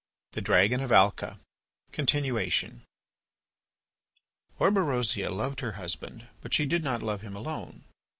THE DRAGON OF ALCA (Continuation) Orberosia loved her husband, but she did not love him alone.